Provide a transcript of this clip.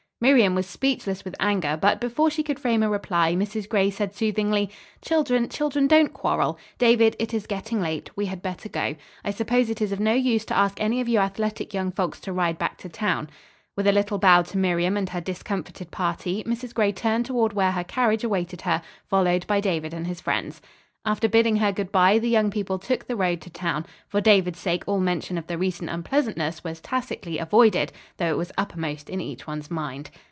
Miriam was speechless with anger, but before she could frame a reply, Mrs. Gray said soothingly "Children, children don't quarrel. David, it is getting late. We had better go. I suppose it is of no use to ask any of you athletic young folks to ride back to town." With a little bow to Miriam and her discomfited party, Mrs. Gray turned toward where her carriage awaited her, followed by David and his friends. After bidding her good bye, the young people took the road to town. For David's sake all mention of the recent unpleasantness was tacitly avoided, though it was uppermost in each one's mind.